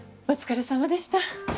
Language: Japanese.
お疲れさまでした。